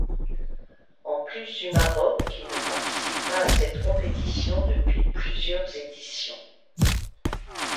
En plus du Maroc qui ne participe pas à cette compétition depuis plusieurs éditions.